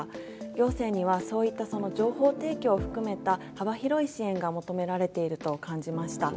行政にはそういった情報提供を含めた幅広い支援が求められていると感じました。